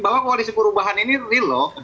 bahwa koalisi perubahan ini real loh